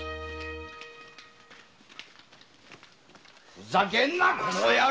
・ふざけんなこの野郎！